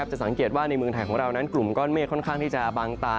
จะสังเกตว่าในเมืองไทยของเรานั้นกลุ่มก้อนเมฆค่อนข้างที่จะบางตา